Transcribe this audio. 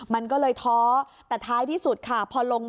มันก็เลยท้อแต่ท้ายที่สุดค่ะพอลง